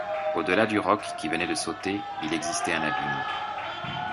Au delà du roc qui venait de sauter, il existait un abîme.